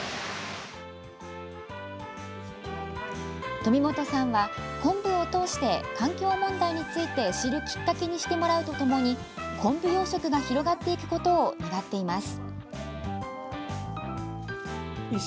富本さんは昆布を通して環境問題について知るきっかけにしてもらうとともに昆布養殖が広がっていくことを願っています。